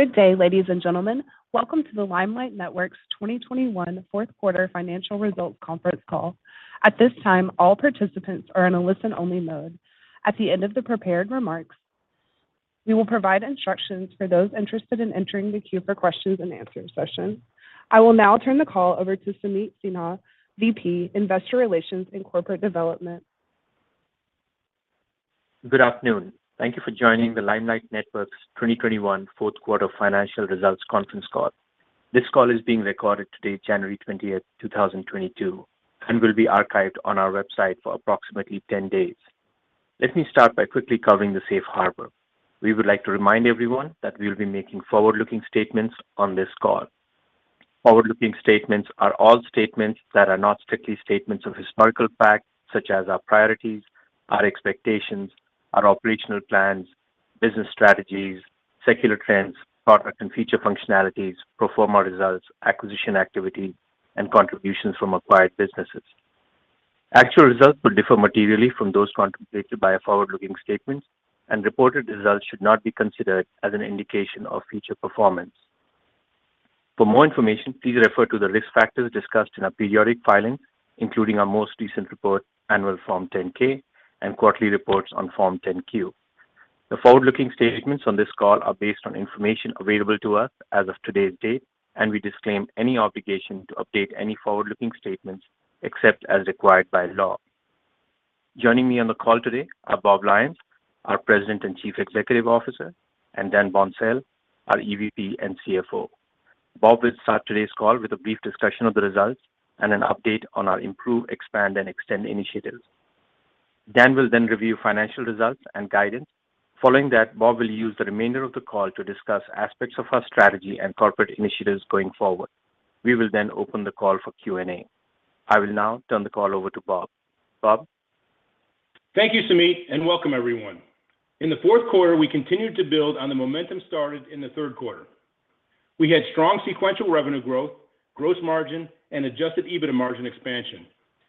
Good day, ladies and gentlemen. Welcome to the Limelight Networks 2021 Fourth Quarter Financial Results Conference Call. At this time, all participants are in a listen-only mode. At the end of the prepared remarks, we will provide instructions for those interested in entering the queue for questions and answer session. I will now turn the call over to Sameet Sinha, VP, Investor Relations and Corporate Development. Good afternoon. Thank you for joining the Limelight Networks 2021 fourth quarter financial results conference call. This call is being recorded today, January 20, 2022, and will be archived on our website for approximately 10 days. Let me start by quickly covering the Safe Harbor. We would like to remind everyone that we'll be making forward-looking statements on this call. Forward-looking statements are all statements that are not strictly statements of historical fact, such as our priorities, our expectations, our operational plans, business strategies, secular trends, product and feature functionalities, pro forma results, acquisition activity, and contributions from acquired businesses. Actual results will differ materially from those contemplated by forward-looking statements, and reported results should not be considered as an indication of future performance. For more information, please refer to the risk factors discussed in our periodic filings, including our most recent report, annual Form 10-K, and quarterly reports on Form 10-Q. The forward-looking statements on this call are based on information available to us as of today's date, and we disclaim any obligation to update any forward-looking statements except as required by law. Joining me on the call today are Bob Lyons, our President and Chief Executive Officer, and Dan Boncel, our EVP and CFO. Bob will start today's call with a brief discussion of the results and an update on our improve, expand, and extend initiatives. Dan will then review financial results and guidance. Following that, Bob will use the remainder of the call to discuss aspects of our strategy and corporate initiatives going forward. We will then open the call for Q and A. I will now turn the call over to Bob. Bob? Thank you, Sameet, and welcome everyone. In the fourth quarter, we continued to build on the momentum started in the third quarter. We had strong sequential revenue growth, gross margin, and adjusted EBITDA margin expansion.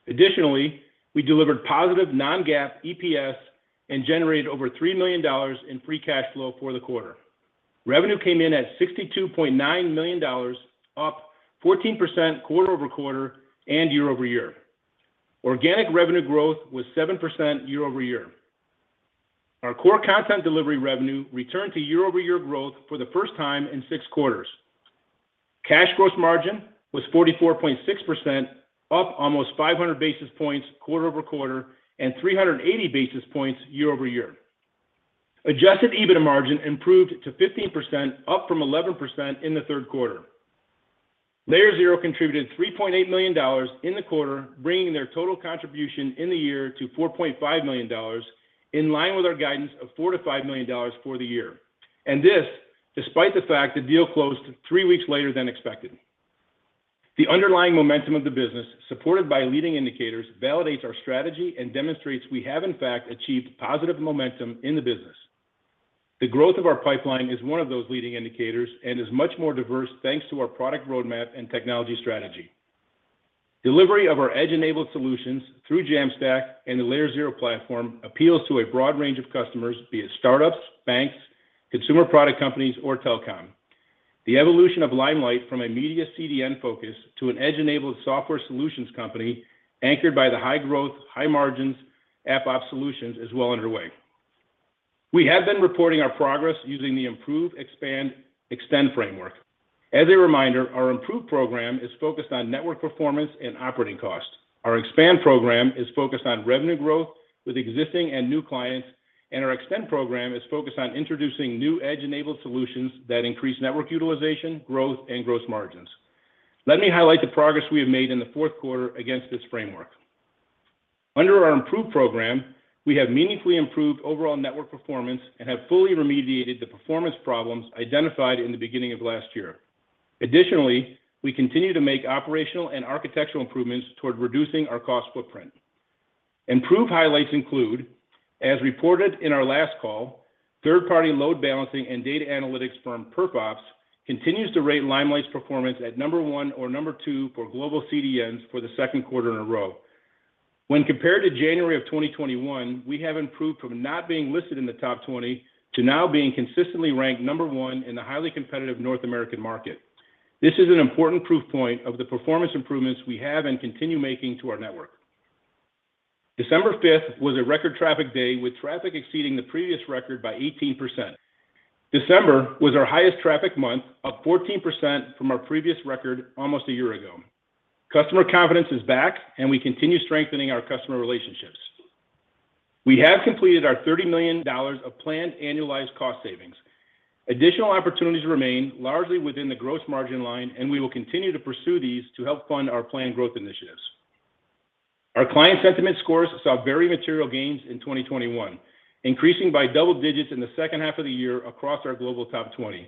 Additionally, we delivered positive non-GAAP EPS and generated over $3 million in free cash flow for the quarter. Revenue came in at $62.9 million, up 14% quarter-over-quarter and year-over-year. Organic revenue growth was 7% year-over-year. Our core content delivery revenue returned to year-over-year growth for the first time in six quarters. Cash gross margin was 44.6%, up almost 500 basis points quarter-over-quarter and 380 basis points year-over-year. Adjusted EBITDA margin improved to 15%, up from 11% in the third quarter. Layer0 contributed $3.8 million in the quarter, bringing their total contribution in the year to $4.5 million, in line with our guidance of $4-$5 million for the year. This, despite the fact the deal closed three weeks later than expected. The underlying momentum of the business, supported by leading indicators, validates our strategy and demonstrates we have in fact achieved positive momentum in the business. The growth of our pipeline is one of those leading indicators and is much more diverse thanks to our product roadmap and technology strategy. Delivery of our edge-enabled solutions through Jamstack and the Layer0 platform appeals to a broad range of customers, be it startups, banks, consumer product companies or telecom. The evolution of Limelight from a media CDN focus to an edge-enabled software solutions company anchored by the high growth, high margins, AppOps solutions is well underway. We have been reporting our progress using the Improve, Expand, Extend framework. As a reminder, our Improve program is focused on network performance and operating costs. Our Expand program is focused on revenue growth with existing and new clients, and our Extend program is focused on introducing new edge-enabled solutions that increase network utilization, growth, and gross margins. Let me highlight the progress we have made in the fourth quarter against this framework. Under our Improve program, we have meaningfully improved overall network performance and have fully remediated the performance problems identified in the beginning of last year. Additionally, we continue to make operational and architectural improvements toward reducing our cost footprint. Improved highlights include, as reported in our last call, third-party load balancing and data analytics firm PerfOps continues to rate Limelight's performance at number one or number two for global CDNs for the second quarter in a row. When compared to January 2021, we have improved from not being listed in the top 20 to now being consistently ranked number one in the highly competitive North American market. This is an important proof point of the performance improvements we have and continue making to our network. December 5 was a record traffic day, with traffic exceeding the previous record by 18%. December was our highest traffic month, up 14% from our previous record almost a year ago. Customer confidence is back, and we continue strengthening our customer relationships. We have completed our $30 million of planned annualized cost savings. Additional opportunities remain, largely within the gross margin line, and we will continue to pursue these to help fund our planned growth initiatives. Our client sentiment scores saw very material gains in 2021, increasing by double digits in the second half of the year across our global top 20.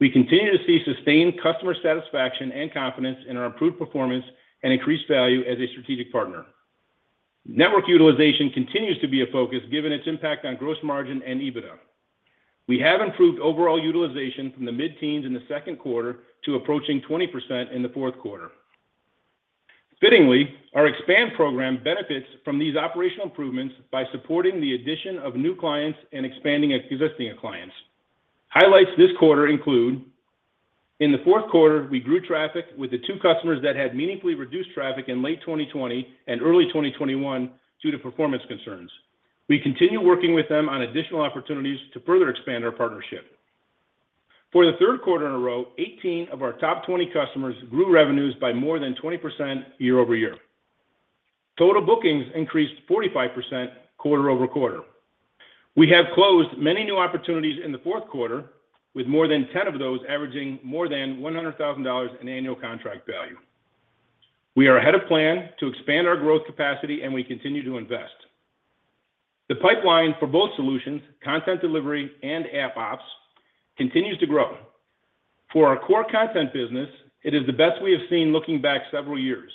We continue to see sustained customer satisfaction and confidence in our improved performance and increased value as a strategic partner. Network utilization continues to be a focus given its impact on gross margin and EBITDA. We have improved overall utilization from the mid-teens in the second quarter to approaching 20% in the fourth quarter. Fittingly, our expand program benefits from these operational improvements by supporting the addition of new clients and expanding existing clients. Highlights this quarter include, in the fourth quarter, we grew traffic with the two customers that had meaningfully reduced traffic in late 2020 and early 2021 due to performance concerns. We continue working with them on additional opportunities to further expand our partnership. For the third quarter in a row, 18 of our top 20 customers grew revenues by more than 20% year-over-year. Total bookings increased 45% quarter-over-quarter. We have closed many new opportunities in the fourth quarter, with more than 10 of those averaging more than $100,000 in annual contract value. We are ahead of plan to expand our growth capacity, and we continue to invest. The pipeline for both solutions, content delivery and AppOps, continues to grow. For our core content business, it is the best we have seen looking back several years.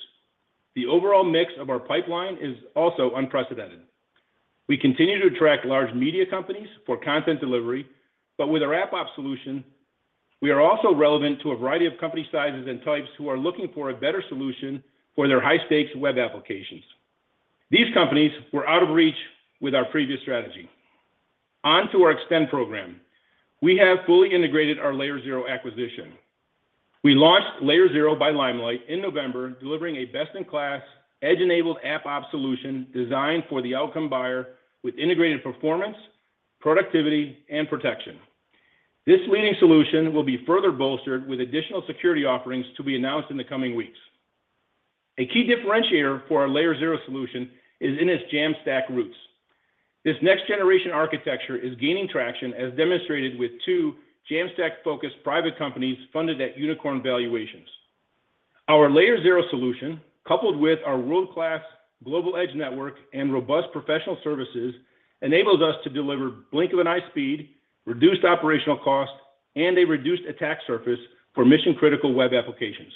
The overall mix of our pipeline is also unprecedented. We continue to attract large media companies for content delivery, but with our AppOps solution, we are also relevant to a variety of company sizes and types who are looking for a better solution for their high-stakes web applications. These companies were out of reach with our previous strategy. On to our EdgeXtend program. We have fully integrated our Layer0 acquisition. We launched Layer0 by Limelight in November, delivering a best-in-class, edge-enabled AppOps solution designed for the outcome buyer with integrated performance, productivity, and protection. This leading solution will be further bolstered with additional security offerings to be announced in the coming weeks. A key differentiator for our Layer0 solution is in its Jamstack roots. This next generation architecture is gaining traction as demonstrated with two Jamstack-focused private companies funded at unicorn valuations. Our Layer0 solution, coupled with our world-class global edge network and robust professional services, enables us to deliver blink-of-an-eye speed, reduced operational cost, and a reduced attack surface for mission-critical web applications.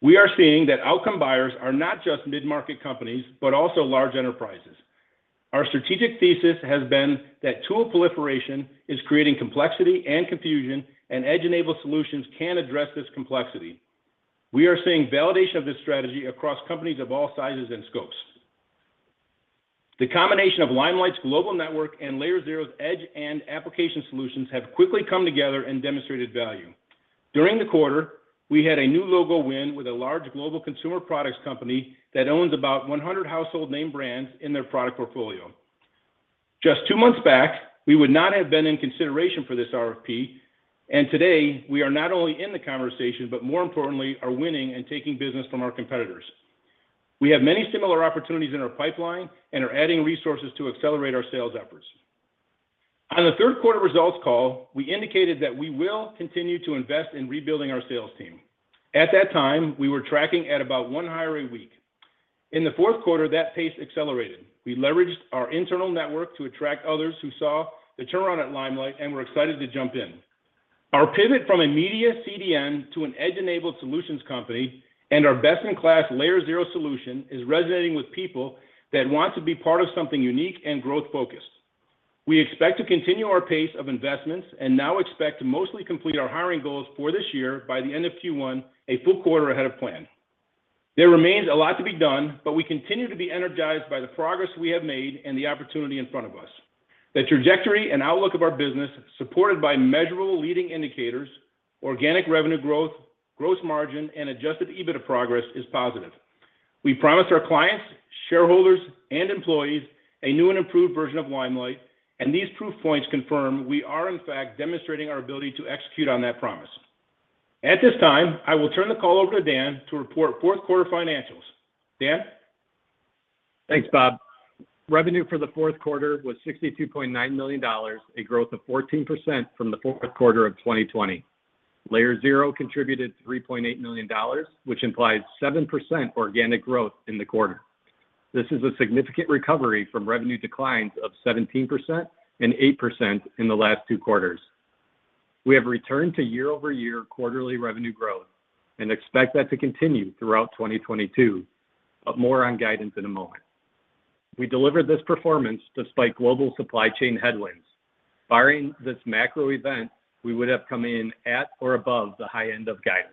We are seeing that outcome buyers are not just mid-market companies, but also large enterprises. Our strategic thesis has been that tool proliferation is creating complexity and confusion, and edge-enabled solutions can address this complexity. We are seeing validation of this strategy across companies of all sizes and scopes. The combination of Limelight's global network and Layer0's edge and application solutions have quickly come together and demonstrated value. During the quarter, we had a new logo win with a large global consumer products company that owns about 100 household name brands in their product portfolio. Just two months back, we would not have been in consideration for this RFP, and today, we are not only in the conversation, but more importantly, are winning and taking business from our competitors. We have many similar opportunities in our pipeline and are adding resources to accelerate our sales efforts. On the third quarter results call, we indicated that we will continue to invest in rebuilding our sales team. At that time, we were tracking at about one hire a week. In the fourth quarter, that pace accelerated. We leveraged our internal network to attract others who saw the turnaround at Limelight and were excited to jump in. Our pivot from a media CDN to an edge-enabled solutions company and our best-in-class Layer0 solution is resonating with people that want to be part of something unique and growth-focused. We expect to continue our pace of investments and now expect to mostly complete our hiring goals for this year by the end of Q1, a full quarter ahead of plan. There remains a lot to be done, but we continue to be energized by the progress we have made and the opportunity in front of us. The trajectory and outlook of our business, supported by measurable leading indicators, organic revenue growth, gross margin, and adjusted EBITDA progress, is positive. We promised our clients, shareholders, and employees a new and improved version of Limelight, and these proof points confirm we are in fact demonstrating our ability to execute on that promise. At this time, I will turn the call over to Dan to report fourth quarter financials. Dan? Thanks, Bob. Revenue for the fourth quarter was $62.9 million, a growth of 14% from the fourth quarter of 2020. Layer0 contributed $3.8 million, which implies 7% organic growth in the quarter. This is a significant recovery from revenue declines of 17% and 8% in the last two quarters. We have returned to year-over-year quarterly revenue growth and expect that to continue throughout 2022, but more on guidance in a moment. We delivered this performance despite global supply chain headwinds. Barring this macro event, we would have come in at or above the high end of guidance.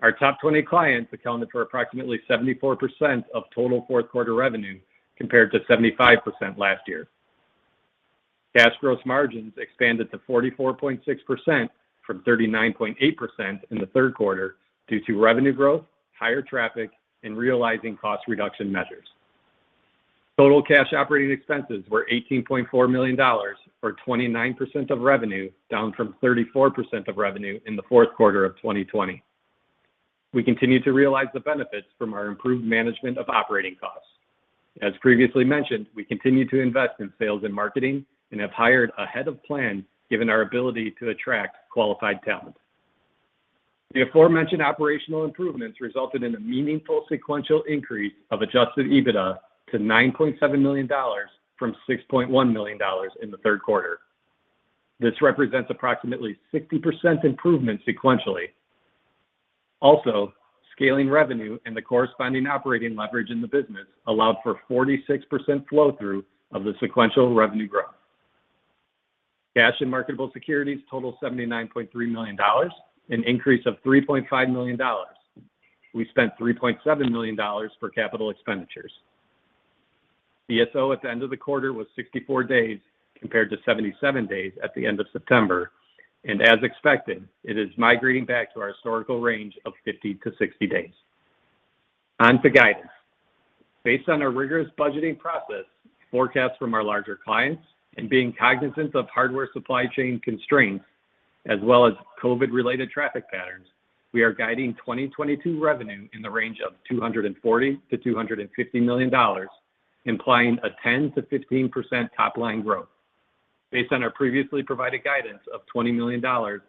Our top 20 clients accounted for approximately 74% of total fourth quarter revenue compared to 75% last year. Cash gross margins expanded to 44.6% from 39.8% in the third quarter due to revenue growth, higher traffic, and realizing cost reduction measures. Total cash operating expenses were $18.4 million, or 29% of revenue, down from 34% of revenue in the fourth quarter of 2020. We continue to realize the benefits from our improved management of operating costs. As previously mentioned, we continue to invest in sales and marketing and have hired ahead of plan given our ability to attract qualified talent. The aforementioned operational improvements resulted in a meaningful sequential increase of adjusted EBITDA to $9.7 million from $6.1 million in the third quarter. This represents approximately 60% improvement sequentially. Scaling revenue and the corresponding operating leverage in the business allowed for 46% flow-through of the sequential revenue growth. Cash and marketable securities total $79.3 million, an increase of $3.5 million. We spent $3.7 million for capital expenditures. DSO at the end of the quarter was 64 days compared to 77 days at the end of September. As expected, it is migrating back to our historical range of 50-60 days. On to guidance. Based on our rigorous budgeting process, forecasts from our larger clients and being cognizant of hardware supply chain constraints as well as COVID related traffic patterns, we are guiding 2022 revenue in the range of $240 million-$250 million, implying a 10%-15% top line growth. Based on our previously provided guidance of $20 million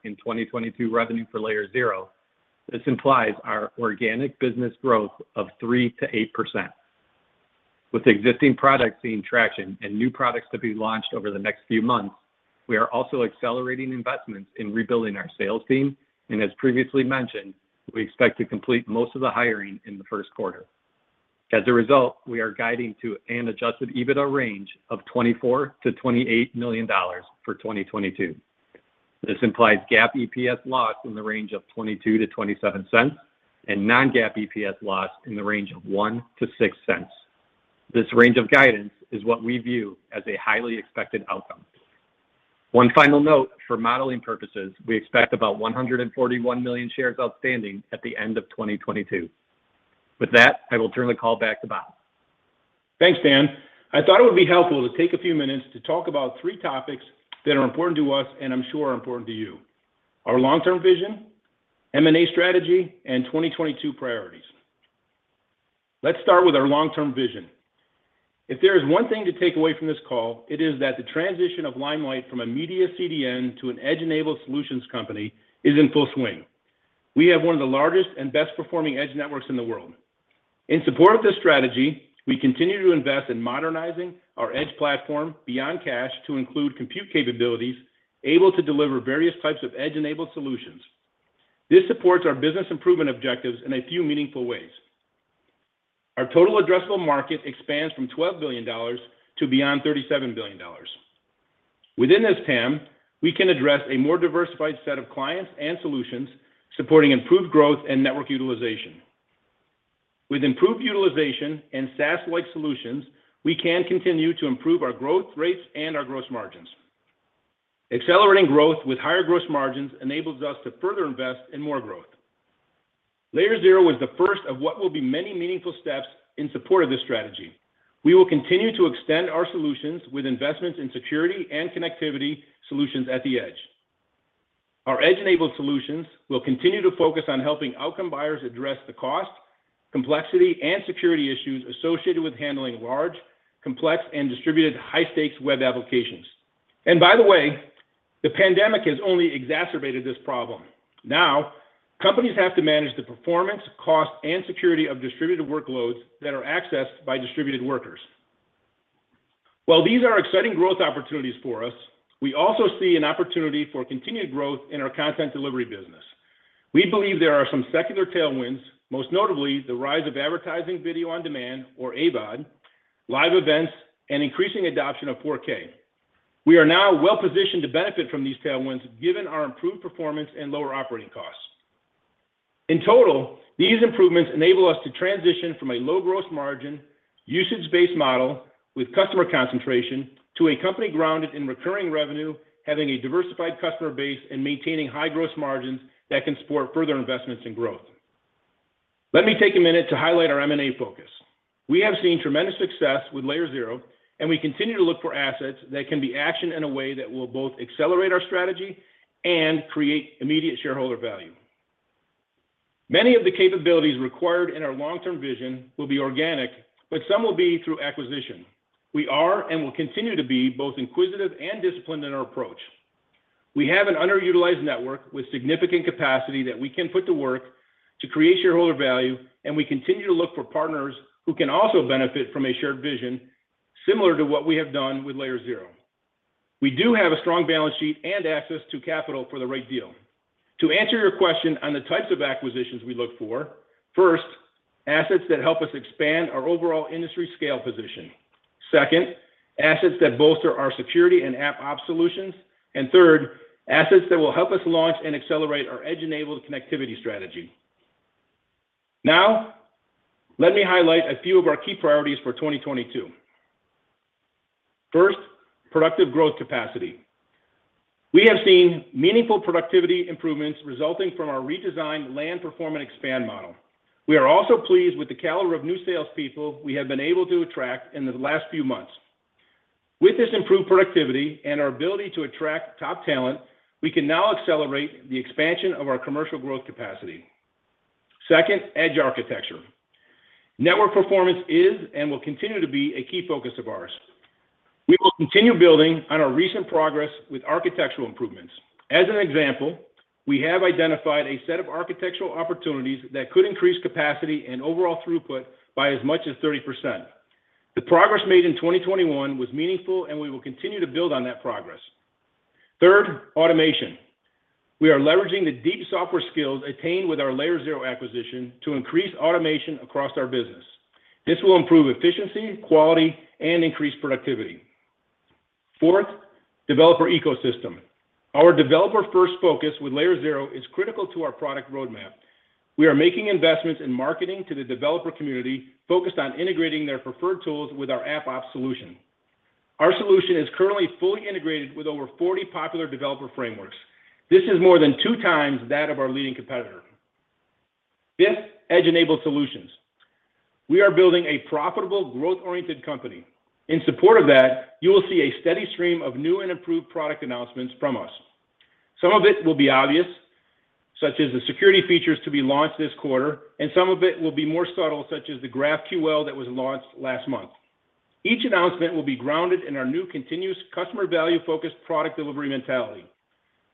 in 2022 revenue for Layer0, this implies our organic business growth of 3%-8%. With existing products seeing traction and new products to be launched over the next few months, we are also accelerating investments in rebuilding our sales team, and as previously mentioned, we expect to complete most of the hiring in the first quarter. As a result, we are guiding to an adjusted EBITDA range of $24 million-$28 million for 2022. This implies GAAP EPS loss in the range of $0.22-$0.27 and non-GAAP EPS loss in the range of $0.01-$0.06. This range of guidance is what we view as a highly expected outcome. One final note, for modeling purposes, we expect about 141 million shares outstanding at the end of 2022. With that, I will turn the call back to Bob. Thanks, Dan. I thought it would be helpful to take a few minutes to talk about three topics that are important to us and I'm sure are important to you. Our long-term vision, M&A strategy, and 2022 priorities. Let's start with our long-term vision. If there is one thing to take away from this call, it is that the transition of Limelight from a media CDN to an edge-enabled solutions company is in full swing. We have one of the largest and best performing edge networks in the world. In support of this strategy, we continue to invest in modernizing our edge platform beyond cache to include compute capabilities, able to deliver various types of edge-enabled solutions. This supports our business improvement objectives in a few meaningful ways. Our total addressable market expands from $12 billion to beyond $37 billion. Within this TAM, we can address a more diversified set of clients and solutions supporting improved growth and network utilization. With improved utilization and SaaS-like solutions, we can continue to improve our growth rates and our gross margins. Accelerating growth with higher gross margins enables us to further invest in more growth. Layer0 was the first of what will be many meaningful steps in support of this strategy. We will continue to extend our solutions with investments in security and connectivity solutions at the edge. Our edge-enabled solutions will continue to focus on helping outcome buyers address the cost, complexity, and security issues associated with handling large, complex, and distributed high-stakes web applications. By the way, the pandemic has only exacerbated this problem. Now, companies have to manage the performance, cost, and security of distributed workloads that are accessed by distributed workers. While these are exciting growth opportunities for us, we also see an opportunity for continued growth in our content delivery business. We believe there are some secular tailwinds, most notably the rise of advertising video on demand or AVOD, live events, and increasing adoption of 4K. We are now well-positioned to benefit from these tailwinds, given our improved performance and lower operating costs. In total, these improvements enable us to transition from a low gross margin, usage-based model with customer concentration to a company grounded in recurring revenue, having a diversified customer base and maintaining high gross margins that can support further investments in growth. Let me take a minute to highlight our M&A focus. We have seen tremendous success with Layer0, and we continue to look for assets that can be actioned in a way that will both accelerate our strategy and create immediate shareholder value. Many of the capabilities required in our long-term vision will be organic, but some will be through acquisition. We are and will continue to be both inquisitive and disciplined in our approach. We have an underutilized network with significant capacity that we can put to work to create shareholder value, and we continue to look for partners who can also benefit from a shared vision similar to what we have done with Layer0. We do have a strong balance sheet and access to capital for the right deal. To answer your question on the types of acquisitions we look for, first, assets that help us expand our overall industry scale position. Second, assets that bolster our security and AppOps solutions. Third, assets that will help us launch and accelerate our edge-enabled connectivity strategy. Now, let me highlight a few of our key priorities for 2022. First, productive growth capacity. We have seen meaningful productivity improvements resulting from our redesigned land perform and expand model. We are also pleased with the caliber of new salespeople we have been able to attract in the last few months. With this improved productivity and our ability to attract top talent, we can now accelerate the expansion of our commercial growth capacity. Second, edge architecture. Network performance is and will continue to be a key focus of ours. We will continue building on our recent progress with architectural improvements. As an example, we have identified a set of architectural opportunities that could increase capacity and overall throughput by as much as 30%. The progress made in 2021 was meaningful, and we will continue to build on that progress. Third, automation. We are leveraging the deep software skills attained with our Layer0 acquisition to increase automation across our business. This will improve efficiency, quality, and increase productivity. Fourth, developer ecosystem. Our developer-first focus with Layer0 is critical to our product roadmap. We are making investments in marketing to the developer community focused on integrating their preferred tools with our AppOps solution. Our solution is currently fully integrated with over 40 popular developer frameworks. This is more than 2x that of our leading competitor. Fifth, edge-enabled solutions. We are building a profitable, growth-oriented company. In support of that, you will see a steady stream of new and improved product announcements from us. Some of it will be obvious, such as the security features to be launched this quarter, and some of it will be more subtle, such as the GraphQL that was launched last month. Each announcement will be grounded in our new continuous customer value-focused product delivery mentality.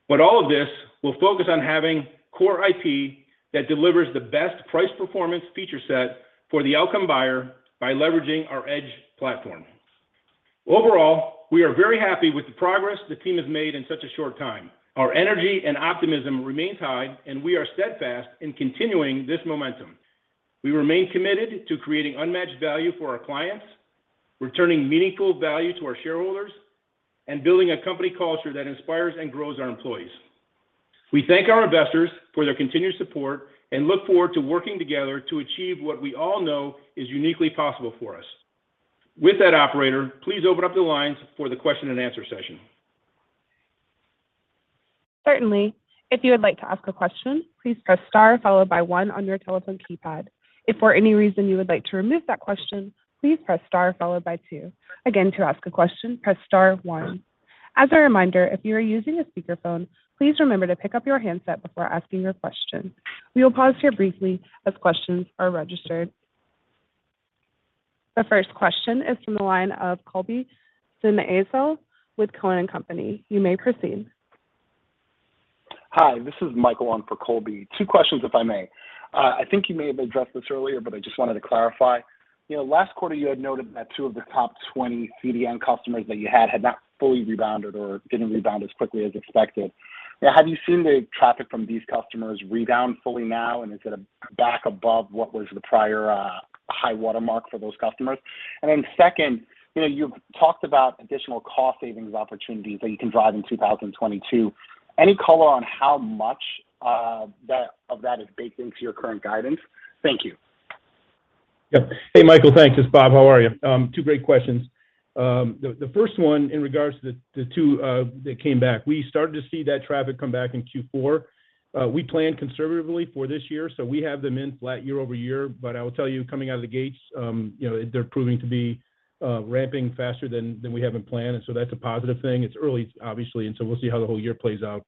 All of this will focus on having core IP that delivers the best price performance feature set for the outcome buyer by leveraging our edge platform. Overall, we are very happy with the progress the team has made in such a short time. Our energy and optimism remains high, and we are steadfast in continuing this momentum. We remain committed to creating unmatched value for our clients, returning meaningful value to our shareholders, and building a company culture that inspires and grows our employees. We thank our investors for their continued support and look forward to working together to achieve what we all know is uniquely possible for us. With that, operator, please open up the lines for the question and answer session. The first question is from the line of Colby Synesael with Cowen and Company. You may proceed. Hi, this is Michael on for Colby. Two questions, if I may. I think you may have addressed this earlier, but I just wanted to clarify. You know, last quarter you had noted that two of the top 20 CDN customers that you had had not fully rebounded or didn't rebound as quickly as expected. Now, have you seen the traffic from these customers rebound fully now, and is it back above what was the prior high watermark for those customers? Second, you know, you've talked about additional cost savings opportunities that you can drive in 2022. Any color on how much of that is baked into your current guidance? Thank you. Yep. Hey, Michael. Thanks. It's Bob. How are you? Two great questions. The first one in regards to the two that came back. We started to see that traffic come back in Q4. We planned conservatively for this year, so we have them in flat year over year. I will tell you, coming out of the gates, you know, they're proving to be ramping faster than we have in plan. That's a positive thing. It's early, obviously, we'll see how the whole year plays out.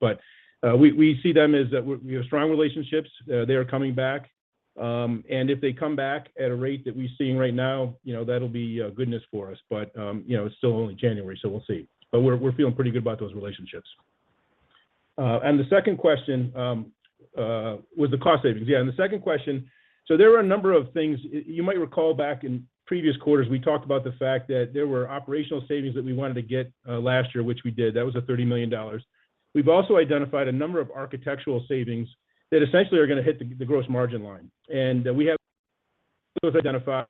We see them as that we have strong relationships. They are coming back. If they come back at a rate that we're seeing right now, you know, that'll be goodness for us. You know, it's still only January, so we'll see. We're feeling pretty good about those relationships. The second question was the cost savings. There were a number of things. You might recall back in previous quarters, we talked about the fact that there were operational savings that we wanted to get last year, which we did. That was $30 million. We've also identified a number of architectural savings that essentially are gonna hit the gross margin line. We have those identified.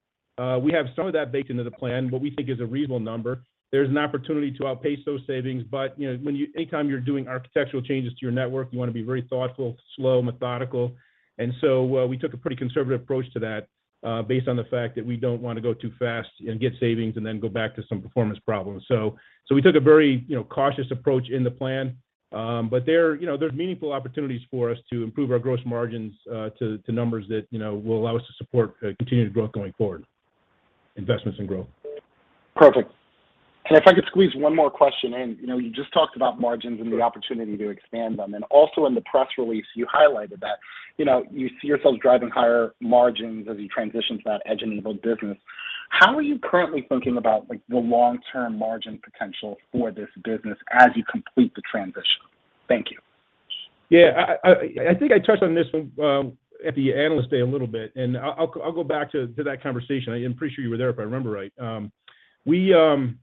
We have some of that baked into the plan, what we think is a reasonable number. There's an opportunity to outpace those savings, but you know, anytime you're doing architectural changes to your network, you wanna be very thoughtful, slow, methodical. We took a pretty conservative approach to that based on the fact that we don't wanna go too fast and get savings and then go back to some performance problems. We took a very, you know, cautious approach in the plan. There, you know, there's meaningful opportunities for us to improve our gross margins to numbers that, you know, will allow us to support continued growth going forward, investments and growth. Perfect. If I could squeeze one more question in. You know, you just talked about margins and the opportunity to expand them. Also in the press release, you highlighted that, you know, you see yourself driving higher margins as you transition to that edge-enabled business. How are you currently thinking about, like, the long-term margin potential for this business as you complete the transition? Thank you. Yeah. I think I touched on this at the analyst day a little bit, and I'll go back to that conversation. I'm pretty sure you were there, if I remember right. We, the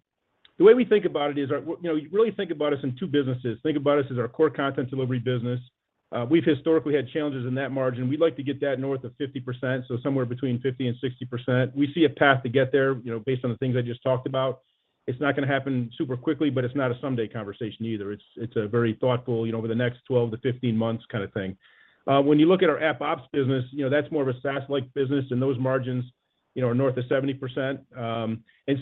way we think about it is, you know, you really think about us in two businesses. Think about us as our core content delivery business. We've historically had challenges in that margin. We'd like to get that north of 50%, so somewhere between 50% and 60%. We see a path to get there, you know, based on the things I just talked about. It's not gonna happen super quickly, but it's not a someday conversation either. It's a very thoughtful, you know, over the next 12 to 15 months kind of thing. When you look at our AppOps business, you know, that's more of a SaaS-like business, and those margins, you know, are north of 70%.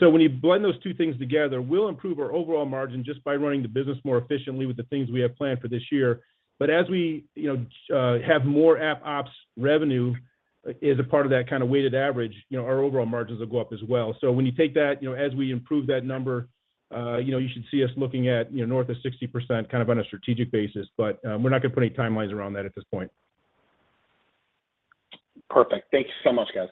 When you blend those two things together, we'll improve our overall margin just by running the business more efficiently with the things we have planned for this year. As we, you know, have more AppOps revenue as a part of that kind of weighted average, you know, our overall margins will go up as well. When you take that, you know, as we improve that number, you know, you should see us looking at, you know, north of 60% kind of on a strategic basis. We're not gonna put any timelines around that at this point. Perfect. Thank you so much, guys.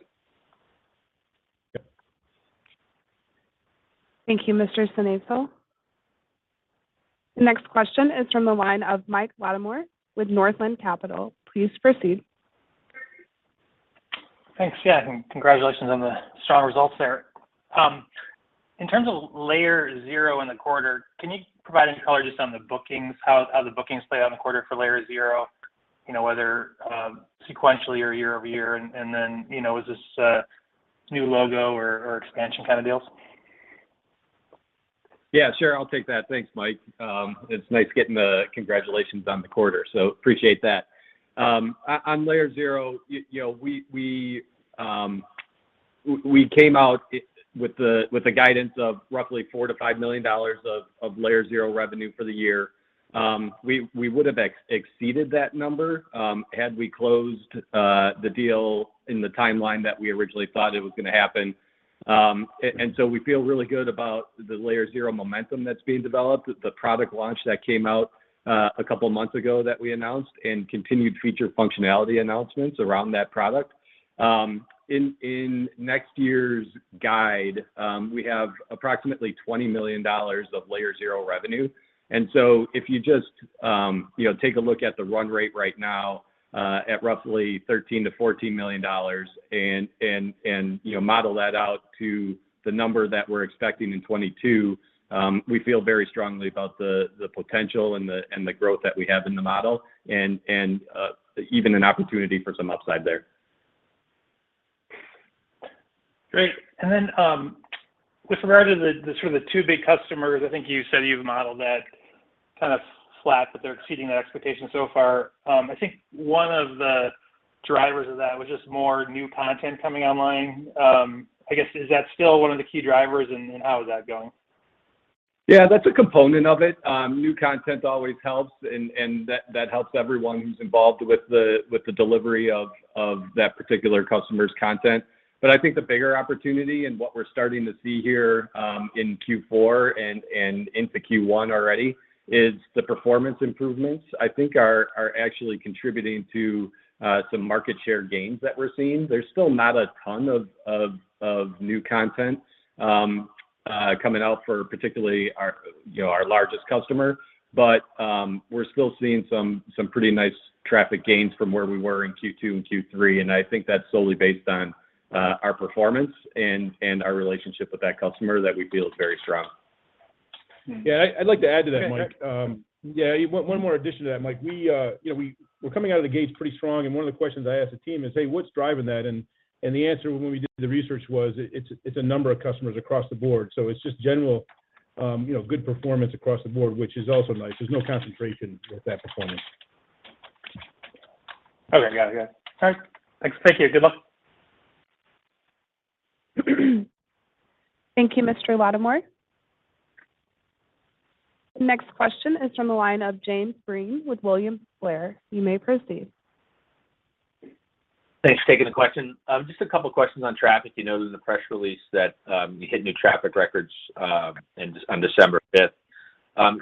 Yep. Thank you, Mr. Synesael. The next question is from the line of Mike Latimore with Northland Capital. Please proceed. Thanks. Yeah, and congratulations on the strong results there. In terms of Layer0 in the quarter, can you provide any color just on the bookings? How the bookings played out in the quarter for Layer0, you know, whether sequentially or year-over-year and then, you know, is this new logo or expansion kind of deals? Yeah, sure. I'll take that. Thanks, Mike. It's nice getting the congratulations on the quarter, so appreciate that. On Layer0, you know, we came out with the guidance of roughly $4 million-$5 million of Layer0 revenue for the year. We would've exceeded that number had we closed the deal in the timeline that we originally thought it was gonna happen. So we feel really good about the Layer0 momentum that's being developed, the product launch that came out a couple months ago that we announced, and continued feature functionality announcements around that product. In next year's guide, we have approximately $20 million of Layer0 revenue. If you just you know take a look at the run rate right now at roughly $13 million-$14 million and you know model that out to the number that we're expecting in 2022, we feel very strongly about the potential and the growth that we have in the model and even an opportunity for some upside there. Great. With regard to the sort of the two big customers, I think you said you've modeled that kind of flat, but they're exceeding the expectation so far. I think one of the drivers of that was just more new content coming online. I guess, is that still one of the key drivers, and then how is that going? Yeah, that's a component of it. New content always helps and that helps everyone who's involved with the delivery of that particular customer's content. I think the bigger opportunity and what we're starting to see here in Q4 and into Q1 already is the performance improvements I think are actually contributing to some market share gains that we're seeing. There's still not a ton of new content coming out for particularly our, you know, our largest customer. We're still seeing some pretty nice traffic gains from where we were in Q2 and Q3, and I think that's solely based on our performance and our relationship with that customer that we feel is very strong. Yeah, I'd like to add to that, Mike. Yeah, one more addition to that, Mike. You know, we're coming out of the gate pretty strong, and one of the questions I asked the team is, "Hey, what's driving that?" The answer when we did the research was it's a number of customers across the board. It's just general, you know, good performance across the board, which is also nice. There's no concentration with that performance. Okay. Got it. Yeah. Thanks. Thank you. Good luck. Thank you, Mr. Latimore. The next question is from the line of James Breen with William Blair. You may proceed. Thanks for taking the question. Just a couple questions on traffic. You noted in the press release that you hit new traffic records on December 5.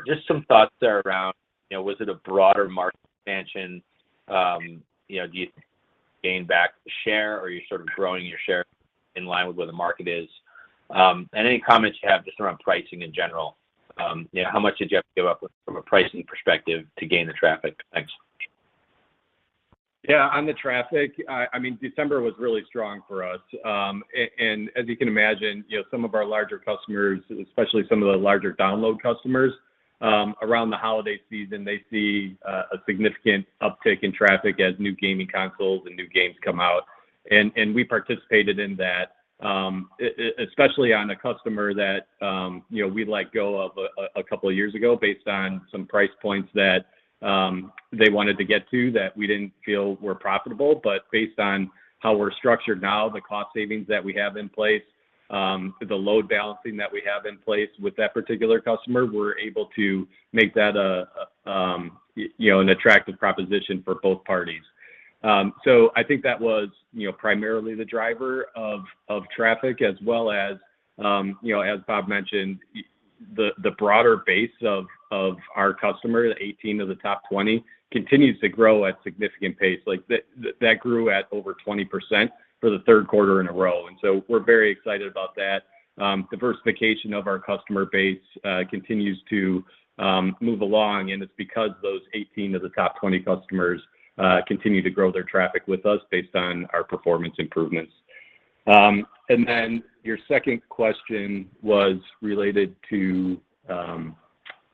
Just some thoughts there around, you know, was it a broader market expansion? You know, do you gain back share or are you sort of growing your share in line with where the market is? Any comments you have just around pricing in general. You know, how much did you have to give up from a pricing perspective to gain the traffic? Thanks. Yeah. On the traffic, I mean, December was really strong for us. As you can imagine, you know, some of our larger customers, especially some of the larger download customers, around the holiday season, they see a significant uptick in traffic as new gaming consoles and new games come out. We participated in that, especially on a customer that, you know, we let go of a couple of years ago based on some price points that they wanted to get to that we didn't feel were profitable. Based on how we're structured now, the cost savings that we have in place, the load balancing that we have in place with that particular customer, we're able to make that, you know, an attractive proposition for both parties. I think that was, you know, primarily the driver of traffic as well as, you know, as Bob mentioned, the broader base of our customer, the 18 of the top 20 continues to grow at significant pace. Like that grew at over 20% for the third quarter in a row, and we're very excited about that. Diversification of our customer base continues to move along, and it's because those 18 of the top 20 customers continue to grow their traffic with us based on our performance improvements. And then your second question was related to...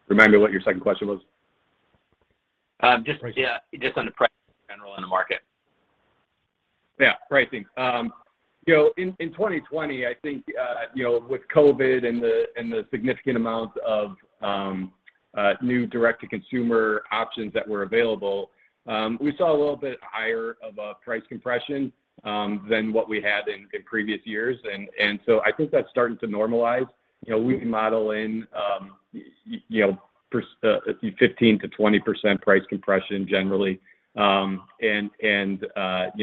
Remind me what your second question was. Just, yeah, just on the pricing in general in the market. Yeah, pricing. You know, in 2020, I think, you know, with COVID and the significant amount of new direct-to-consumer options that were available, we saw a little bit higher of a price compression than what we had in previous years. I think that's starting to normalize. You know, we can model in, you know, 15%-20% price compression generally. You know,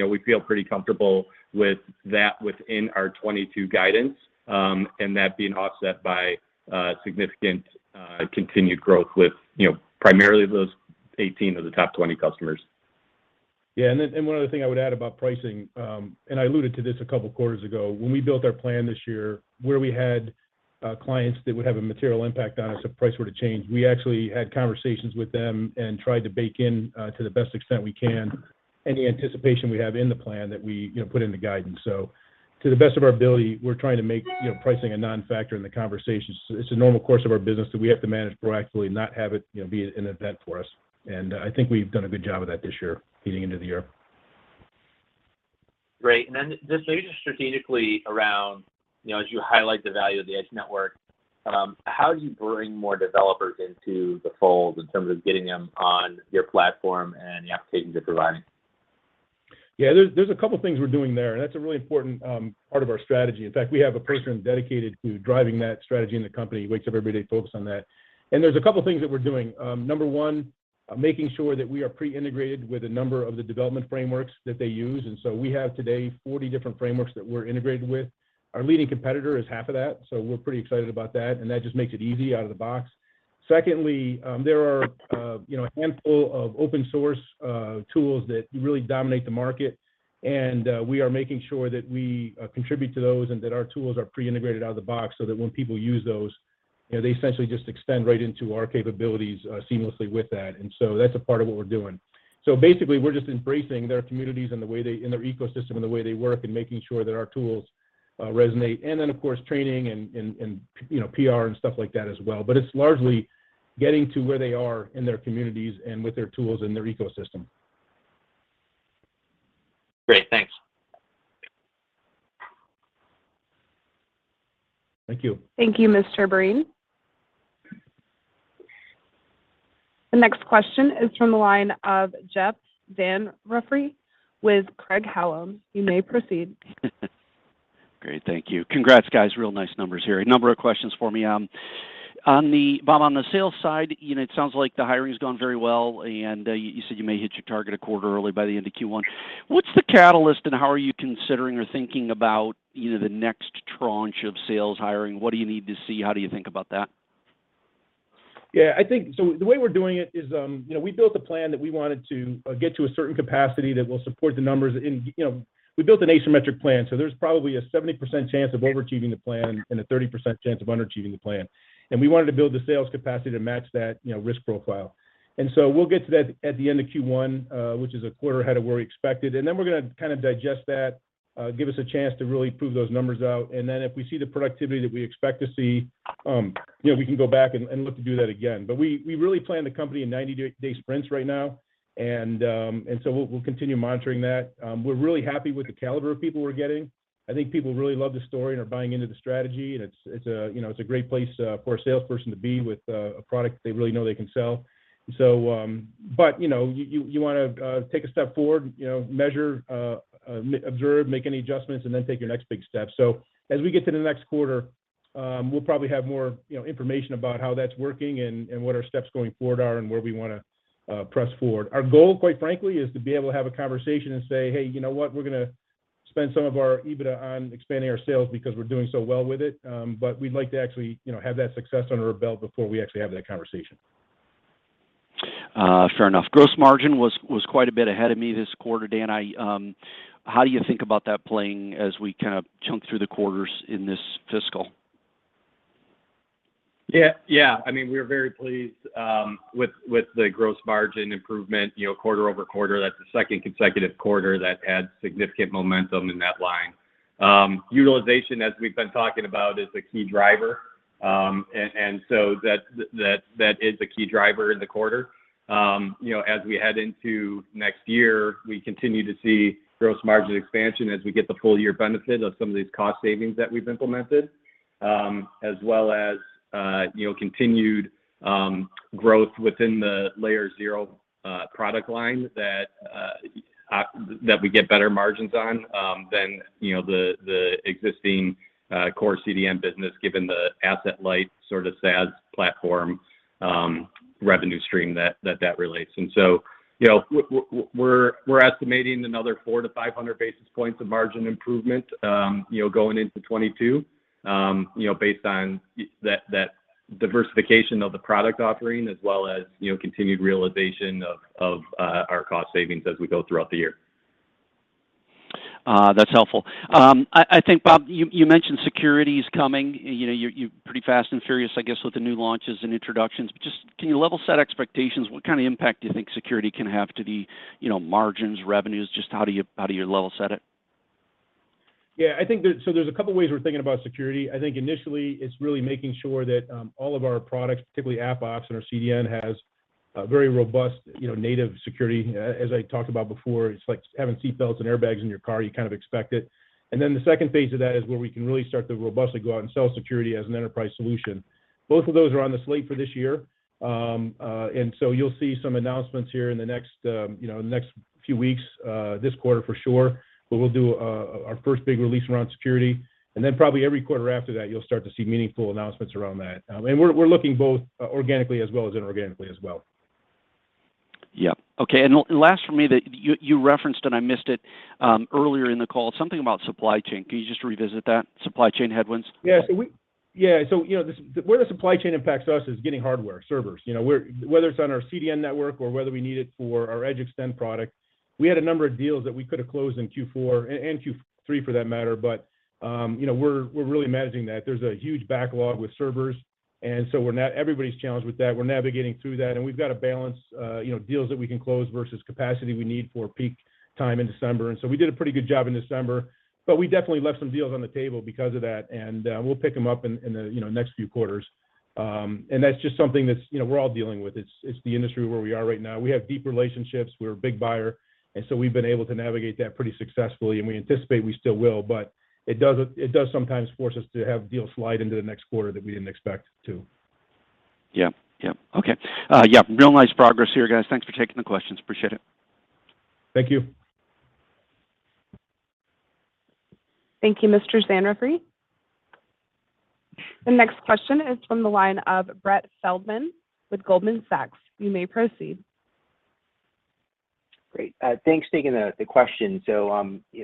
we feel pretty comfortable with that within our 2022 guidance, and that being offset by significant continued growth with, you know, primarily those 18 of the top 20 customers. One other thing I would add about pricing. I alluded to this a couple quarters ago. When we built our plan this year, where we had clients that would have a material impact on us if price were to change, we actually had conversations with them and tried to bake in, to the best extent we can, any anticipation we have in the plan that we, you know, put in the guidance. To the best of our ability, we're trying to make, you know, pricing a non-factor in the conversations. It's a normal course of our business that we have to manage proactively, not have it, you know, be an event for us. I think we've done a good job of that this year leading into the year. Great. Then just maybe strategically around, you know, as you highlight the value of the edge network, how do you bring more developers into the fold in terms of getting them on your platform and the applications you're providing? Yeah. There's a couple things we're doing there, and that's a really important part of our strategy. In fact, we have a person dedicated to driving that strategy in the company who wakes up every day focused on that. There's a couple things that we're doing. Number one, making sure that we are pre-integrated with a number of the development frameworks that they use. So we have today 40 different frameworks that we're integrated with. Our leading competitor is half of that, so we're pretty excited about that, and that just makes it easy out of the box. Secondly, there are, you know, a handful of open source tools that really dominate the market. We are making sure that we contribute to those and that our tools are pre-integrated out of the box so that when people use those, you know, they essentially just extend right into our capabilities seamlessly with that. That's a part of what we're doing. Basically, we're just embracing their communities and their ecosystem and the way they work and making sure that our tools resonate. Of course, training and you know, PR and stuff like that as well. It's largely getting to where they are in their communities and with their tools and their ecosystem. Great. Thanks. Thank you. Thank you, Mr. Breen. The next question is from the line of Jeff Van Rhee with Craig-Hallum. You may proceed. Great. Thank you. Congrats, guys. Real nice numbers here. A number of questions from me. On the sales side, Bob, you know, it sounds like the hiring's gone very well, and you said you may hit your target a quarter early by the end of Q1. What's the catalyst, and how are you considering or thinking about either the next tranche of sales hiring? What do you need to see? How do you think about that? Yeah, I think the way we're doing it is, you know, we built a plan that we wanted to get to a certain capacity that will support the numbers. You know, we built an asymmetric plan, so there's probably a 70% chance of overachieving the plan and a 30% chance of underachieving the plan. We wanted to build the sales capacity to match that, you know, risk profile. We'll get to that at the end of Q1, which is a quarter ahead of where we expected. Then we're gonna kind of digest that, give us a chance to really prove those numbers out. If we see the productivity that we expect to see, you know, we can go back and look to do that again. We really plan the company in 90-day sprints right now. We'll continue monitoring that. We're really happy with the caliber of people we're getting. I think people really love the story and are buying into the strategy. It's a great place, you know, for a salesperson to be with a product they really know they can sell. You know, you wanna take a step forward, you know, measure, observe, make any adjustments, and then take your next big step. As we get to the next quarter, we'll probably have more, you know, information about how that's working and what our steps going forward are and where we wanna press forward. Our goal, quite frankly, is to be able to have a conversation and say, "Hey, you know what? We're gonna spend some of our EBITDA on expanding our sales because we're doing so well with it." We'd like to actually, you know, have that success under our belt before we actually have that conversation. Fair enough. Gross margin was quite a bit ahead of me this quarter, Dan. How do you think about that playing as we kind of chunk through the quarters in this fiscal? Yeah. Yeah. I mean, we are very pleased with the gross margin improvement, you know, quarter-over-quarter. That's the second consecutive quarter that adds significant momentum in that line. Utilization, as we've been talking about, is the key driver. That is the key driver in the quarter. You know, as we head into next year, we continue to see gross margin expansion as we get the full-year benefit of some of these cost savings that we've implemented, as well as, you know, continued growth within the Layer0 product line that we get better margins on, than, you know, the existing core CDN business, given the asset light sort of SaaS platform revenue stream that relates. You know, we're estimating another 400-500 basis points of margin improvement, you know, going into 2022, you know, based on that diversification of the product offering as well as, you know, continued realization of our cost savings as we go throughout the year. That's helpful. I think, Bob, you mentioned security's coming. You know, you're pretty fast and furious, I guess, with the new launches and introductions. Just can you level set expectations? What kind of impact do you think security can have to the, you know, margins, revenues? Just how do you level set it? There's a couple ways we're thinking about security. I think initially it's really making sure that all of our products, particularly AppOps and our CDN, has a very robust, you know, native security. As I talked about before, it's like having seat belts and airbags in your car. You kind of expect it. Then the second phase of that is where we can really start to robustly go out and sell security as an enterprise solution. Both of those are on the slate for this year. You'll see some announcements here in the next, you know, next few weeks, this quarter for sure, where we'll do our first big release around security. Then probably every quarter after that, you'll start to see meaningful announcements around that. We're looking both organically as well as inorganically as well. Yeah. Okay. Last for me, you referenced, and I missed it earlier in the call, something about supply chain. Can you just revisit that, supply chain headwinds? You know, where the supply chain impacts us is getting hardware, servers. You know, whether it's on our CDN network or whether we need it for our EdgeXtend product. We had a number of deals that we could have closed in Q4, and Q3 for that matter, but you know, we're really managing that. There's a huge backlog with servers, and everybody's challenged with that. We're navigating through that, and we've got to balance you know, deals that we can close versus capacity we need for peak time in December. We did a pretty good job in December, but we definitely left some deals on the table because of that, and we'll pick them up in the you know, next few quarters. That's just something that's, you know, we're all dealing with. It's the industry where we are right now. We have deep relationships. We're a big buyer, and so we've been able to navigate that pretty successfully, and we anticipate we still will, but it does sometimes force us to have deals slide into the next quarter that we didn't expect to. Yeah. Yeah. Okay. Yeah, real nice progress here, guys. Thanks for taking the questions. Appreciate it. Thank you. Thank you, Mr. Van Rhee. The next question is from the line of Brett Feldman with Goldman Sachs. You may proceed. Great. Thanks for taking the question. You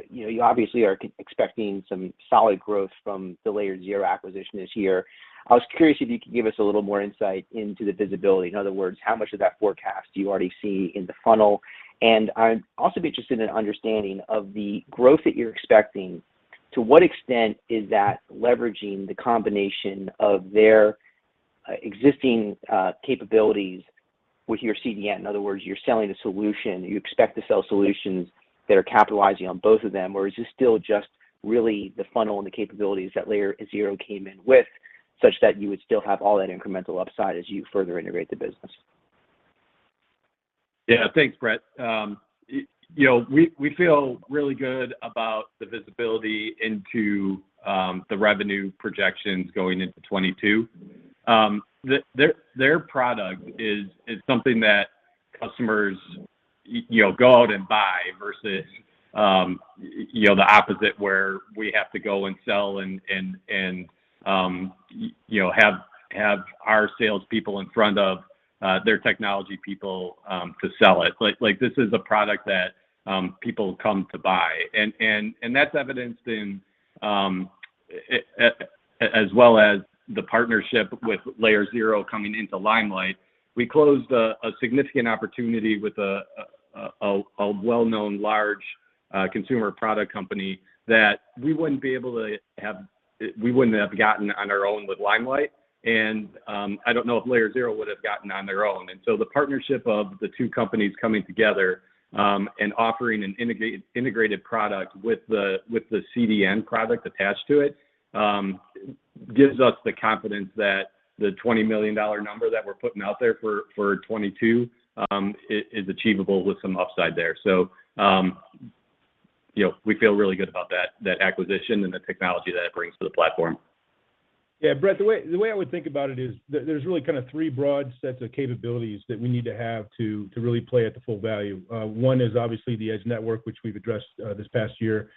know, you obviously are expecting some solid growth from the Layer0 acquisition this year. I was curious if you could give us a little more insight into the visibility. In other words, how much of that forecast do you already see in the funnel? And I'd also be interested in understanding of the growth that you're expecting, to what extent is that leveraging the combination of their existing capabilities with your CDN? In other words, you're selling a solution. You expect to sell solutions that are capitalizing on both of them, or is this still just really the funnel and the capabilities that Layer0 came in with, such that you would still have all that incremental upside as you further integrate the business? Yeah. Thanks, Brett. We feel really good about the visibility into the revenue projections going into 2022. Their product is something that customers you know go out and buy versus the opposite where we have to go and sell and have our salespeople in front of their technology people to sell it. Like, this is a product that people come to buy, and that's evidenced, as well as the partnership with Layer0 coming into Limelight. We closed a well-known large consumer product company that we wouldn't have gotten on our own with Limelight, and I don't know if Layer0 would have gotten on their own. The partnership of the two companies coming together and offering an integrated product with the CDN product attached to it gives us the confidence that the $20 million number that we're putting out there for 2022 is achievable with some upside there. You know, we feel really good about that acquisition and the technology that it brings to the platform. Yeah, Brett, the way I would think about it is there's really kind of three broad sets of capabilities that we need to have to really play at the full value. One is obviously the Edge network, which we've addressed this past year.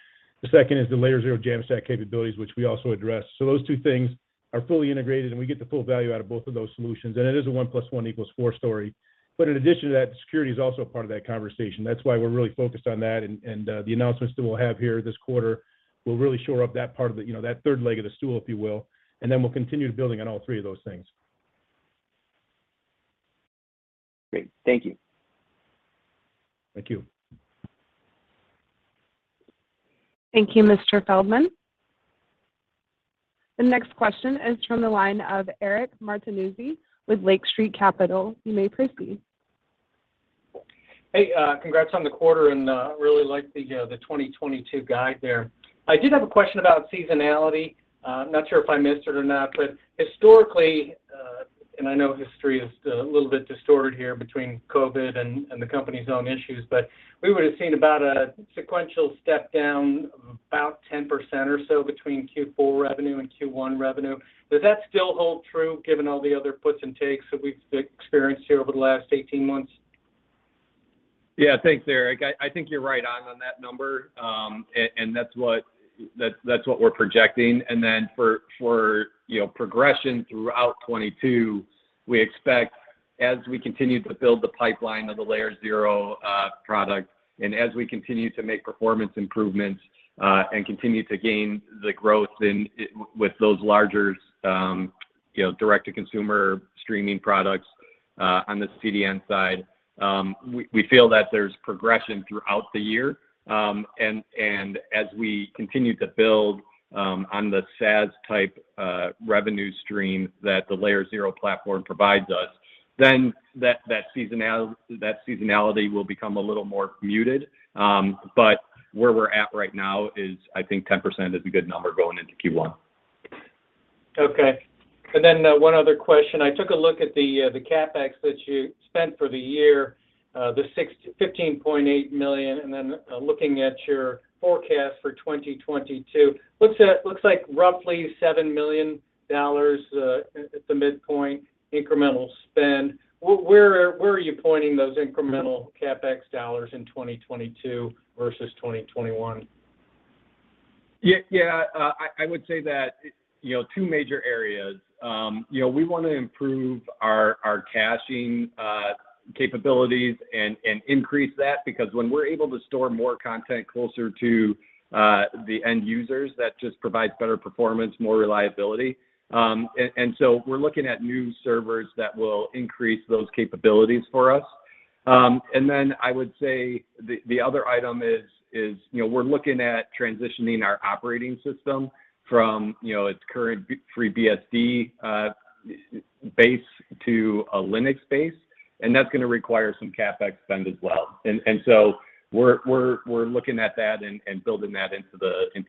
The second is the Layer0 Jamstack capabilities, which we also addressed. Those two things are fully integrated, and we get the full value out of both of those solutions, and it is a one plus one equals four story. In addition to that, security is also a part of that conversation. That's why we're really focused on that and the announcements that we'll have here this quarter will really shore up that part of the you know, that third leg of the stool, if you will. Then we'll continue building on all three of those things. Great. Thank you. Thank you. Thank you, Mr. Feldman. The next question is from the line of Eric Martinuzzi with Lake Street Capital. You may proceed. Hey. Congrats on the quarter and, really like the 2022 guide there. I did have a question about seasonality. I'm not sure if I missed it or not, but historically, and I know history is a little bit distorted here between COVID and the company's own issues, but we would have seen about a sequential step down of about 10% or so between Q4 revenue and Q1 revenue. Does that still hold true given all the other puts and takes that we've experienced here over the last 18 months? Yeah. Thanks, Eric. I think you're right on that number, and that's what we're projecting. Then for you know progression throughout 2022, we expect as we continue to build the pipeline of the Layer0 product, and as we continue to make performance improvements, and continue to gain the growth in with those larger you know direct-to-consumer streaming products on the CDN side, we feel that there's progression throughout the year. And as we continue to build on the SaaS type revenue stream that the Layer0 platform provides us, then that seasonality will become a little more muted. Where we're at right now is I think 10% is a good number going into Q1. Okay. One other question. I took a look at the CapEx that you spent for the year, $15.8 million, and then looking at your forecast for 2022, looks like roughly $7 million at the midpoint incremental spend. Where are you pointing those incremental CapEx dollars in 2022 versus 2021? Yeah, yeah. I would say that, you know, two major areas. You know, we want to improve our caching capabilities and increase that because when we're able to store more content closer to the end users, that just provides better performance, more reliability. We're looking at new servers that will increase those capabilities for us. I would say the other item is, you know, we're looking at transitioning our operating system from, you know, its current FreeBSD base to a Linux base, and that's gonna require some CapEx spend as well. We're looking at that and building that into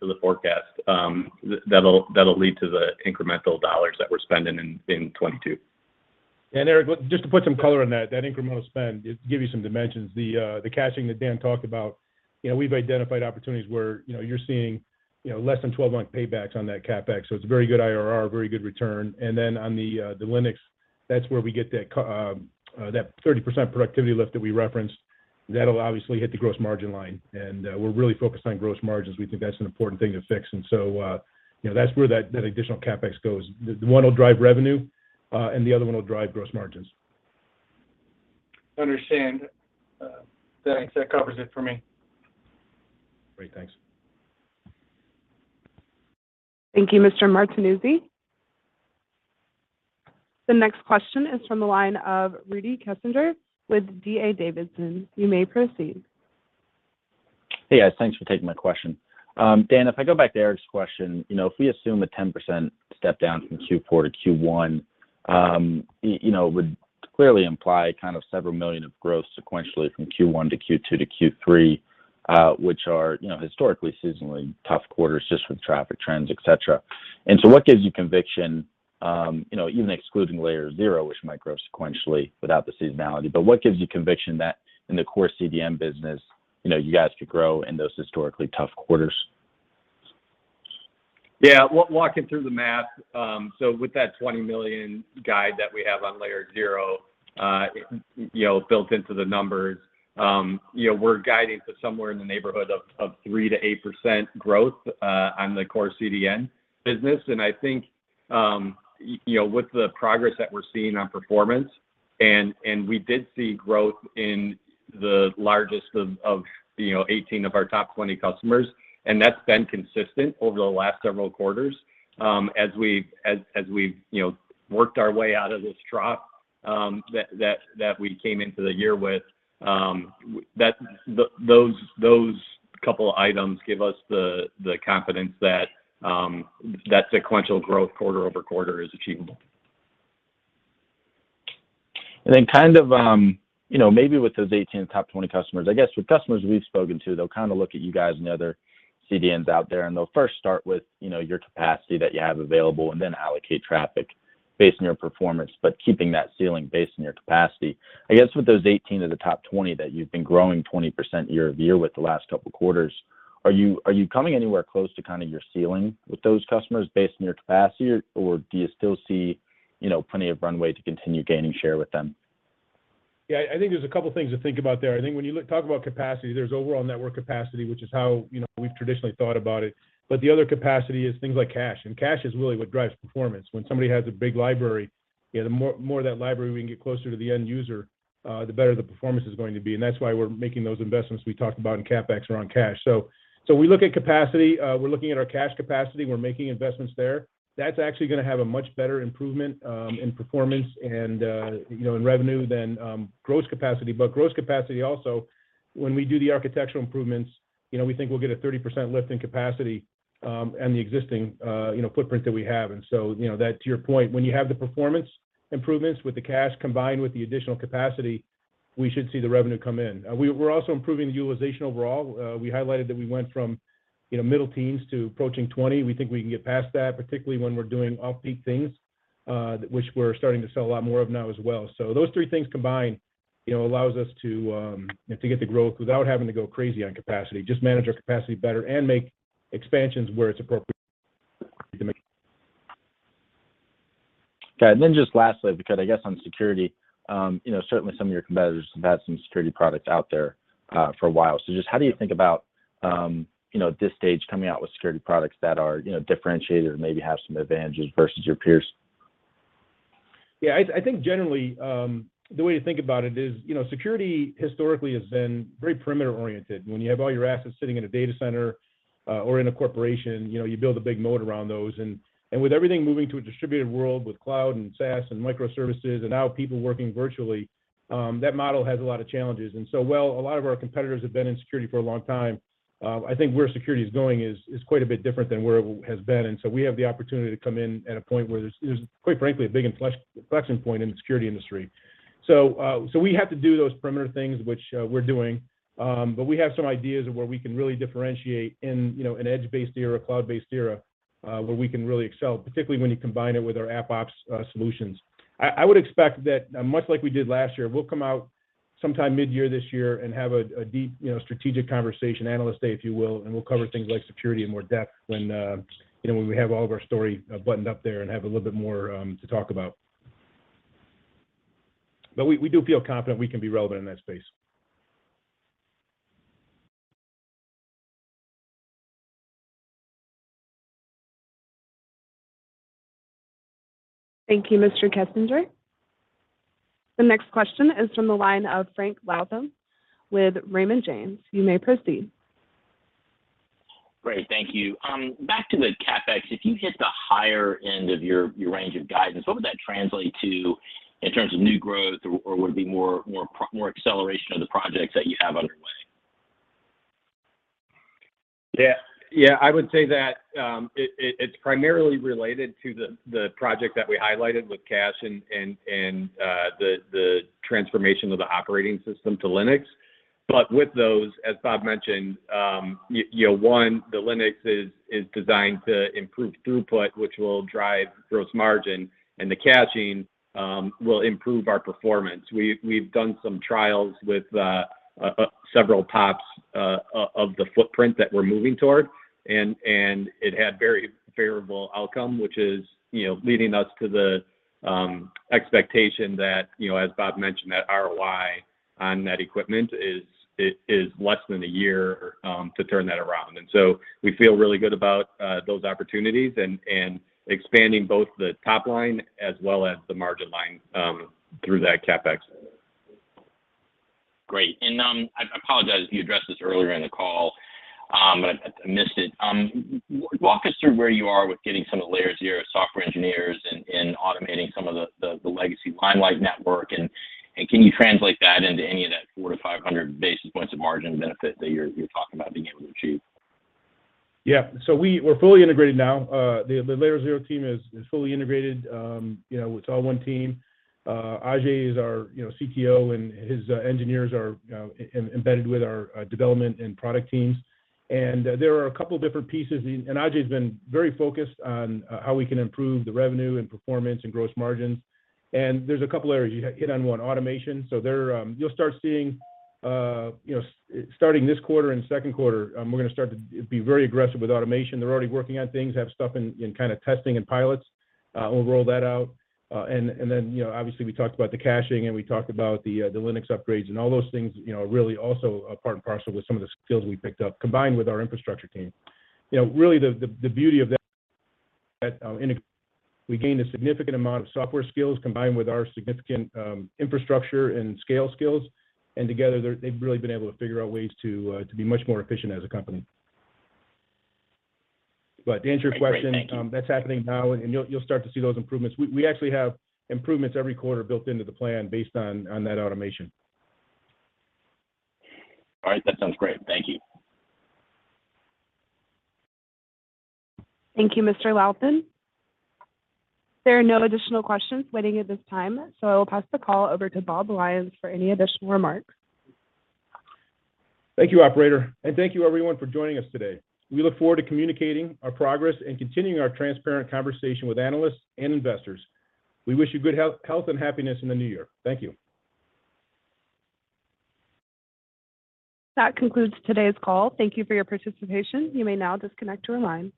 the forecast. That'll lead to the incremental dollars that we're spending in 2022. Eric, just to put some color on that incremental spend, just to give you some dimensions. The caching that Dan talked about, you know, we've identified opportunities where, you know, you're seeing, you know, less than 12-month paybacks on that CapEx, so it's a very good IRR, a very good return. On the Linux, that's where we get that 30% productivity lift that we referenced. That'll obviously hit the gross margin line, and we're really focused on gross margins. We think that's an important thing to fix. You know, that's where that additional CapEx goes. The one will drive revenue, and the other one will drive gross margins. Understand. Thanks. That covers it for me. Great. Thanks. Thank you, Mr. Martinuzzi. The next question is from the line of Rudy Kessinger with D.A. Davidson. You may proceed. Hey, guys. Thanks for taking my question. Dan, if I go back to Eric's question, you know, if we assume a 10% step down from Q4 to Q1, you know, it would clearly imply kind of $several million of growth sequentially from Q1 to Q2 to Q3, which are, you know, historically seasonally tough quarters just with traffic trends, et cetera. What gives you conviction, you know, even excluding Layer0, which might grow sequentially without the seasonality, but what gives you conviction that in the core CDN business, you know, you guys could grow in those historically tough quarters? Yeah. Walking through the math, so with that $20 million guide that we have on Layer0, you know, built into the numbers, you know, we're guiding to somewhere in the neighborhood of 3%-8% growth on the core CDN business. I think, you know, with the progress that we're seeing on performance and we did see growth in the largest of, you know, 18 of our top 20 customers, and that's been consistent over the last several quarters, as we've, you know, worked our way out of this trough that we came into the year with. Those couple items give us the confidence that sequential growth quarter-over-quarter is achievable. Kind of, you know, maybe with those 18 top 20 customers, I guess with customers we've spoken to, they'll kind of look at you guys and the other CDNs out there and they'll first start with, you know, your capacity that you have available and then allocate traffic based on your performance, but keeping that ceiling based on your capacity. I guess with those 18 of the top 20 that you've been growing 20% year-over-year with the last couple quarters, are you coming anywhere close to kind of your ceiling with those customers based on your capacity or do you still see, you know, plenty of runway to continue gaining share with them? Yeah. I think there's a couple things to think about there. I think when you talk about capacity, there's overall network capacity, which is how, you know, we've traditionally thought about it. But the other capacity is things like cache, and cache is really what drives performance. When somebody has a big library, you know, the more of that library we can get closer to the end user, the better the performance is going to be, and that's why we're making those investments we talked about in CapEx around cache. So we look at capacity. We're looking at our cache capacity. We're making investments there. That's actually gonna have a much better improvement in performance and, you know, in revenue than gross capacity. Gross capacity also, when we do the architectural improvements, you know, we think we'll get a 30% lift in capacity in the existing, you know, footprint that we have. You know, that to your point, when you have the performance improvements with the cache combined with the additional capacity, we should see the revenue come in. We're also improving the utilization overall. We highlighted that we went from, you know, middle teens to approaching 20%. We think we can get past that, particularly when we're doing off-peak things, which we're starting to sell a lot more of now as well. Those three things combined, you know, allows us to, you know, to get the growth without having to go crazy on capacity, just manage our capacity better and make expansions where it's appropriate. Okay. Just lastly, because I guess on security, you know, certainly some of your competitors have had some security products out there, for a while. Just how do you think about, you know, at this stage coming out with security products that are, you know, differentiated or maybe have some advantages versus your peers? Yeah. I think generally, the way to think about it is, you know, security historically has been very perimeter oriented. When you have all your assets sitting in a data center, or in a corporation, you know, you build a big moat around those. With everything moving to a distributed world with cloud and SaaS and microservices and now people working virtually, that model has a lot of challenges. While a lot of our competitors have been in security for a long time, I think where security is going is quite a bit different than where it has been. We have the opportunity to come in at a point where there's quite frankly a big inflection point in the security industry. We have to do those perimeter things, which we're doing. We have some ideas of where we can really differentiate in, you know, an edge-based era, cloud-based era, where we can really excel, particularly when you combine it with our AppOps solutions. I would expect that, much like we did last year, we'll come out sometime mid-year this year and have a deep, you know, strategic conversation, analyst day, if you will, and we'll cover things like security in more depth when, you know, when we have all of our story buttoned up there and have a little bit more to talk about. We do feel confident we can be relevant in that space. Thank you, Mr. Kessinger. The next question is from the line of Frank Louthan with Raymond James. You may proceed. Great. Thank you. Back to the CapEx. If you hit the higher end of your range of guidance, what would that translate to in terms of new growth or would it be more acceleration of the projects that you have underway? Yeah. Yeah. I would say that it's primarily related to the project that we highlighted with caching and the transformation of the operating system to Linux. With those, as Bob mentioned, you know, one, the Linux is designed to improve throughput, which will drive gross margin, and the caching will improve our performance. We've done some trials with several TBs of the footprint that we're moving toward, and it had very favorable outcome, which is, you know, leading us to the expectation that, you know, as Bob mentioned, that ROI on that equipment is less than a year to turn that around. We feel really good about those opportunities and expanding both the top line as well as the margin line through that CapEx. Great. I apologize you addressed this earlier in the call, but I missed it. Walk us through where you are with getting some of the layers here of software engineers and automating some of the legacy Limelight network. Can you translate that into any of that 400-500 basis points of margin benefit that you're talking about being able to achieve? Yeah. We're fully integrated now. The Layer0 team is fully integrated. You know, it's all one team. Ajay is our, you know, CTO, and his engineers are embedded with our development and product teams. There are a couple of different pieces. Ajay has been very focused on how we can improve the revenue and performance and gross margins. There's a couple areas. You hit on one, automation. There, you'll start seeing. Starting this quarter and second quarter, we're gonna start to be very aggressive with automation. They're already working on things, have stuff in kind of testing and pilots. We'll roll that out. You know, obviously, we talked about the caching, and we talked about the Linux upgrades, and all those things, you know, are really also a part and parcel with some of the skills we picked up, combined with our infrastructure team. You know, really, the beauty of that, we gained a significant amount of software skills combined with our significant infrastructure and scale skills. Together, they've really been able to figure out ways to be much more efficient as a company. To answer your question- Great. Thank you. That's happening now, and you'll start to see those improvements. We actually have improvements every quarter built into the plan based on that automation. All right. That sounds great. Thank you. Thank you, Mr. Louthan. There are no additional questions waiting at this time, so I will pass the call over to Bob Lyons for any additional remarks. Thank you, operator, and thank you everyone for joining us today. We look forward to communicating our progress and continuing our transparent conversation with analysts and investors. We wish you good health and happiness in the new year. Thank you. That concludes today's call. Thank you for your participation. You may now disconnect your line.